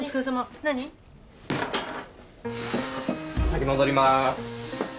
先戻ります。